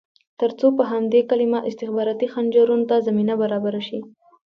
ترڅو په همدې کلمه استخباراتي خنجرونو ته زمینه برابره شي.